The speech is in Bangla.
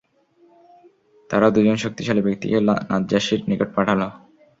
তারা দুজন শক্তিশালী ব্যক্তিকে নাজ্জাশীর নিকট পাঠাল।